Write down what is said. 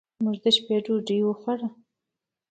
موږ د شپې ډوډۍ وخوړه.